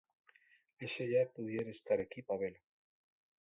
Axallá pudieres tar equí pa velo.